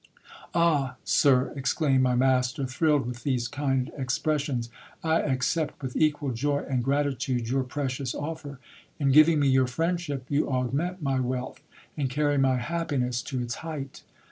Ah ! sir, exclaimed my master, thrilled with these kind expressions, I accept with equal joy and gratitude your precious offer. In giving me your friendship you augment my wealth, and carry my happiness to its height.